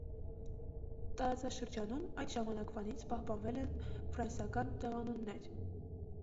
Տարածաշրջանում այդ ժամանակվանից պահպանվել են ֆրանսական տեղանուններ։